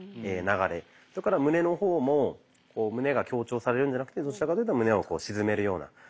それから胸の方も胸が強調されるんじゃなくてどちらかというと胸を沈めるような。